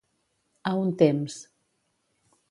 A un temps.